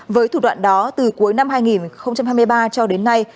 với thủ đoạn đó từ cuối năm hai nghìn hai mươi ba cho đến nay